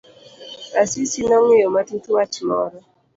Asisi nong'iyo matut wach moro.